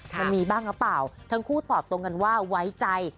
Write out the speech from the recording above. มันมีบ้างหรือเปล่าทั้งคู่ตอบตรงกันว่าไว้ใจ